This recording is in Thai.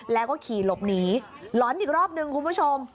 แล้วก็ขี่หลบหนีหลอนอีกรอบนึงคุณผู้ชม